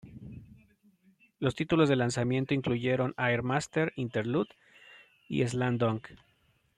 Los títulos de lanzamiento incluyeron "Air Master", "Interlude" y "Slam Dunk".